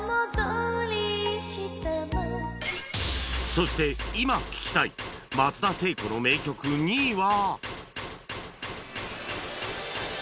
そして今聴きたい松田聖子の名曲２位は